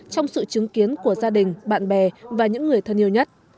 trong sự chứng kiến của gia đình bạn bè và những người thân yêu nhất